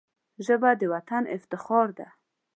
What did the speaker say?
ژبه د وطن افتخار ده